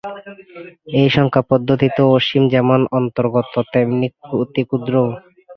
এই সংখ্যা পদ্ধতিতে অসীম যেমন অন্তর্গত, তেমনি অতিক্ষুদ্রও।